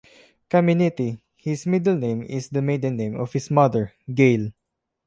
"Caminiti", his middle name, is the maiden name of his mother, Gail.